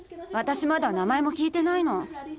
私まだ名前も聞いてないの。